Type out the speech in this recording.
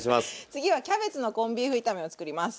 次はキャベツのコンビーフ炒めを作ります。